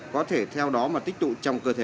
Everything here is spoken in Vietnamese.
có thể theo đó mà tích tụ trong cơ thể